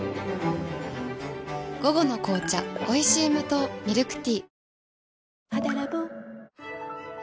午後の紅茶おいしい無糖ミルクティー